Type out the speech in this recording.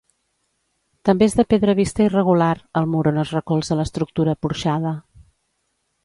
També és de pedra vista irregular, el mur on es recolza l'estructura porxada.